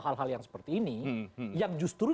hal hal yang seperti ini yang justru